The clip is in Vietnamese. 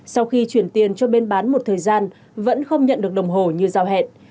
sau khi chuyển tiền cho bên bán một thời gian vẫn không nhận được đồng hồ như giao hẹn